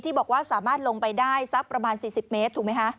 บอกว่าสามารถลงไปได้สักประมาณ๔๐เมตรถูกไหมคะ